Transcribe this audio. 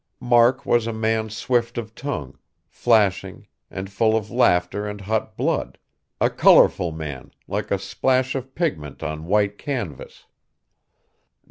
Mark was a man swift of tongue, flashing, and full of laughter and hot blood; a colorful man, like a splash of pigment on white canvas.